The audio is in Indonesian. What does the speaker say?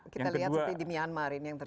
kita lihat seperti di myanmar ini yang terjadi